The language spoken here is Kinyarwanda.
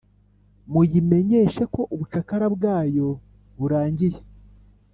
muyimenyeshe ko ubucakara bwayo burangiye,